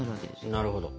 なるほど。